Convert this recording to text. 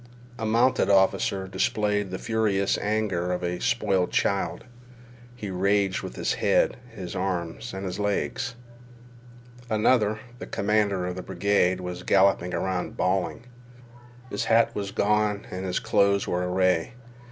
A mounted officer displayed the furious anger of a spoiled child. He raged with his head, his arms, and his legs. Another, the commander of the brigade, was galloping about bawling. His hat was gone and his clothes were awry.